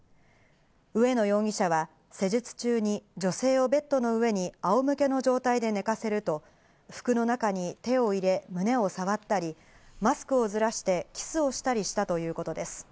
上野容疑者は施術中に女性をベットの上にあおむけの状態で寝かせると、服の中に手を入れ、胸を触ったり、マスクをずらして、キスをしたりしたということです。